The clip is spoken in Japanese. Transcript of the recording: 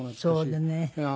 そうだね。